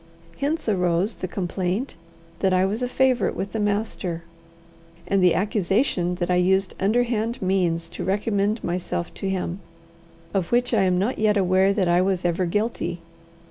Hence arose the complaint that I was a favourite with the master, and the accusation that I used underhand means to recommend myself to him, of which I am not yet aware that I was ever guilty.